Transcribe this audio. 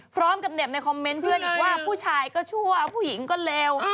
พร้อมกับเห็บในคอมเมนต์เพื่อนอีกว่าผู้ชายก็ชั่วผู้หญิงก็เร็ว